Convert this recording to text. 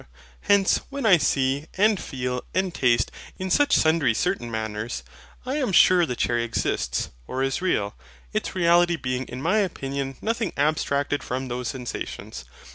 Hence, when I see, and feel, and taste, in such sundry certain manners, I am sure the cherry exists, or is real; its reality being in my opinion nothing abstracted from those sensations.